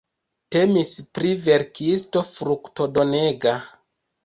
Temis pri verkisto fruktodonega.